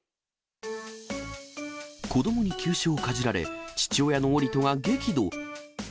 子どもに急所をかじられ、父親のオリトが激怒。